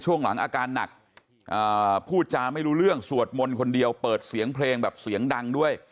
ช่วงหลังอาการหนักพูดจาไม่รู้เรื่องสวดมนต์คนเดียวเปิดเสียงเพลงแบบเสียงดังด้วย